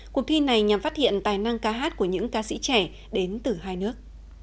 cuộc thi này nhằm phát hiện tài năng ca hát của những ca sĩ trẻ đến từ hai nước